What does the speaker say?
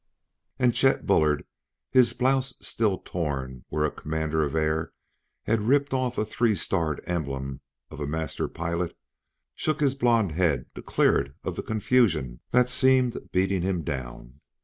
And Chet Bullard, his blouse still torn where a Commander of Air had ripped off a three starred emblem of a Master Pilot, shook his blond head to clear it of the confusion that seemed beating him down.